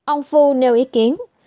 ông phu nêu ý kiến